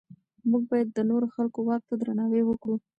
موږ باید د نورو خلکو واک ته درناوی وکړو.